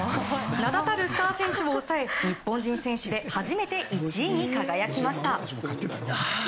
名だたるスター選手を抑え日本人選手で初めて１位に輝きました。